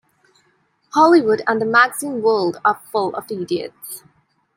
Hollywood and the magazine world are full of idiots.